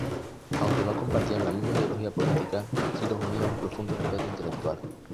Aunque no compartían la misma ideología política, sí los unía un profundo respeto intelectual.